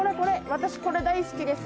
私、これ、大好きです」